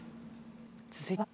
続いては。